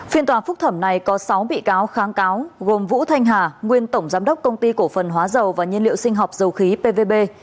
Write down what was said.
phiên tòa phúc thẩm này có sáu bị cáo kháng cáo gồm vũ thanh hà nguyên tổng giám đốc công ty cổ phần hóa dầu và nhiên liệu sinh học dầu khí pvb